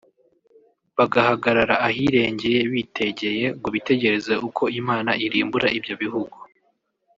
bagahagarara ahirengeye bitegeye ngo bitegereze uko Imana irimbura ibyo bihugu